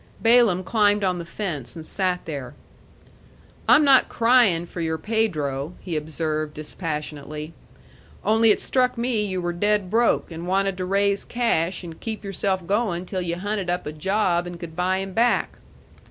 Balaam climbed on the fence and sat there "I'm not crying for your Pedro," he observed dispassionately. "Only it struck me you were dead broke, and wanted to raise cash and keep yourself going till you hunted up a job and could buy him back."